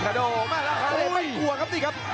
ลิคาโดแม่ขาเลดไม่กลัวครับนี่ครับ